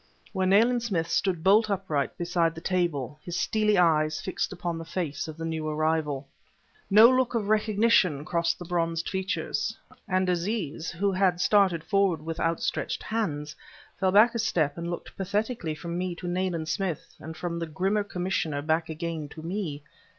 where Nayland Smith stood bolt upright beside the table, his steely eyes fixed upon the face of the new arrival. No look of recognition crossed the bronzed features, and Aziz who had started forward with outstretched hands, fell back a step and looked pathetically from me to Nayland Smith, and from the grim commissioner back again to me.